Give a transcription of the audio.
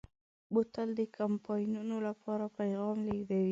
بوتل د کمپاینونو لپاره پیغام لېږدوي.